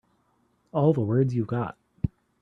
All the words you've got.